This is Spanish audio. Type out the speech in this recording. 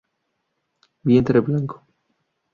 Vientre blanco.